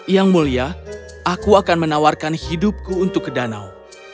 yang mulia aku akan menawarkan hidupku untukmu